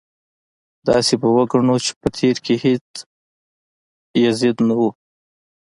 داسې به وګڼو چې په تېر کې هېڅ یزید نه و.